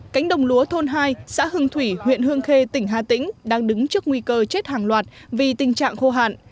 cánh đồng lúa thôn hai xã hưng thủy huyện hương khê tỉnh hà tĩnh đang đứng trước nguy cơ chết hàng loạt vì tình trạng khô hạn